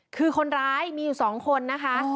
คือคนร้ายมีอยู่๒คนนะคะ